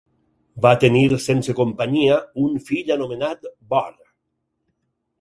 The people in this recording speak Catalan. Va tenir sense companyia un fill anomenat Bor.